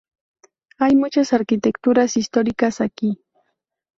Hay muchas arquitecturas históricas aquí.